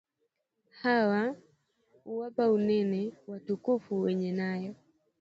Hawa, uwapa unene, watukufu wenye nayo